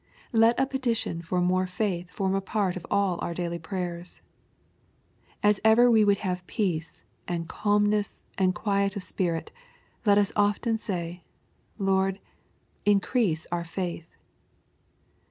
Let a petition for more faith form a part of all our daily prayers. As ever we would have peace, and calm ness, and quietness of spirit, let us often say, "Lord, increase our faith.